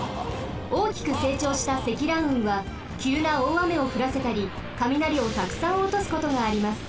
おおきくせいちょうした積乱雲はきゅうなおおあめをふらせたりかみなりをたくさんおとすことがあります。